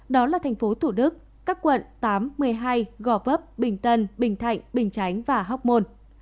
đó là thành phố thủ đức các quận tám một mươi hai gò vấp bình tân bình thạnh bình chánh và hóc môn